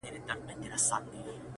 • د نوم له سيـتاره دى لـوېـدلى.